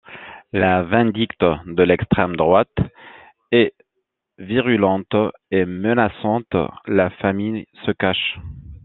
La vindicte de l'extrême droite est virulente et menaçante, la famille se cache.